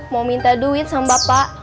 mau minta duit sama bapak